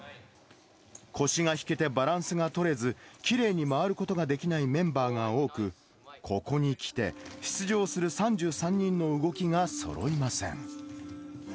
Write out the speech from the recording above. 腰が引けてバランスが取れず、きれいに回ることができないメンバーが多く、ここに来て、出場する３３人の動きがそろいません。